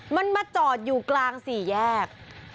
มันมาจอดอยู่กลางสี่แยก